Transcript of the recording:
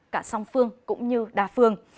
cả song phương cũng như đa phương